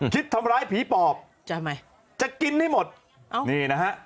คิดทำร้ายผีปอบทำไมจะกินให้หมดนี่นะฮะ